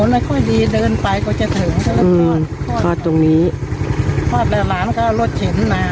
ไม่ค่อยดีเดินไปก็จะถึงคลอดตรงนี้คลอดแล้วร้านก็เอารถเข็นมา